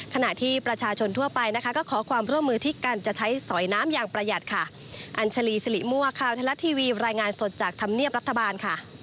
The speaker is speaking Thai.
ขณะที่ประชาชนทั่วไปขอความร่วมมือที่การใช้สอยน้ำอย่างประหยัด